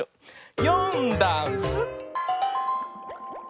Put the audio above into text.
「よんだんす」